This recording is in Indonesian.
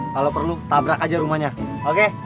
kalau perlu tabrak aja rumahnya oke